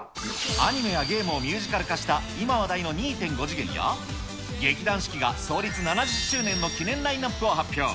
アニメやゲームをミュージカル化した、今話題の２．５次元や、劇団四季が創立７０周年の記念ラインナップを発表。